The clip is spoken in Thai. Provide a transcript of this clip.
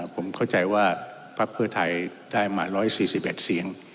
ผมเข้าใจว่าพักเพื่อไทยได้มา๑๔๑เสียง